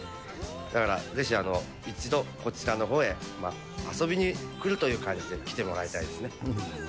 だから、ぜひ一度、こちらのほうへ遊びに来るという感じで来てもらいたいですね。